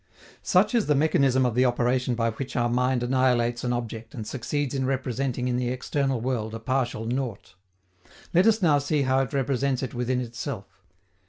Such is the mechanism of the operation by which our mind annihilates an object and succeeds in representing in the external world a partial nought. Let us now see how it represents it within itself.